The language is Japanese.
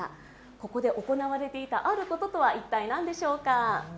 ここで行われていたあることとは一体何でしょうか？